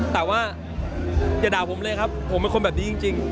แต่ว่าอย่าด่าผมเลยครับผมเป็นคนแบบนี้จริง